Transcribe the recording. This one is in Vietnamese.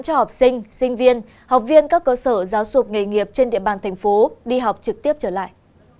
cho học sinh sinh viên học viên các cơ sở giáo dục nghề nghiệp trên địa bàn thành phố đi học trực tiếp trở lại